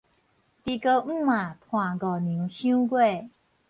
豬哥姆仔伴五娘賞月